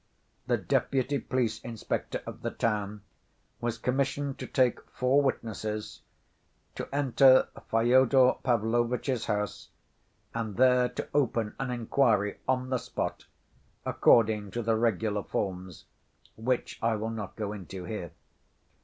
The deputy police inspector of the town was commissioned to take four witnesses, to enter Fyodor Pavlovitch's house and there to open an inquiry on the spot, according to the regular forms, which I will not go into here.